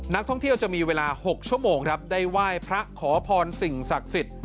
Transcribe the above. นักท่องเที่ยวจะมีเวลา๖ชั่วโมงครับได้ไหว้พระขอพรสิ่งศักดิ์สิทธิ์